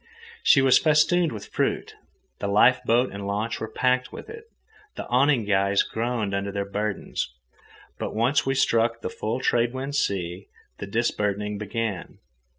She was festooned with fruit. The life boat and launch were packed with it. The awning guys groaned under their burdens. But once we struck the full trade wind sea, the disburdening began.